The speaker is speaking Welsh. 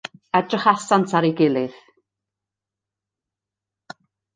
Edrychasant ar ei gilydd.